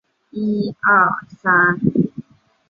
普雷斯帕湖是位于东南欧巴尔干半岛上的一个湖泊。